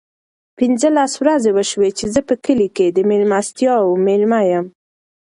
پینځلس ورځې وشوې چې زه په کلي کې د مېلمستیاوو مېلمه یم.